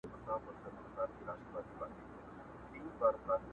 پلمې مه جوړوه جنګ ته مخ به څوک په مړونډ پټ کړي؟!.